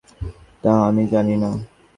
পরের বারের খাবার কোথায় জুটিবে, তাহা আমি জানি না।